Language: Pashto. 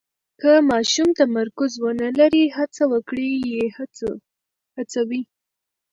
که ماشوم تمرکز ونلري، هڅه وکړئ یې هڅوئ.